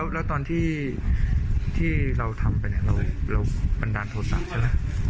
แล้วตอนที่เราทำไปเนี่ยเราบันดาลโทษะใช่ไหม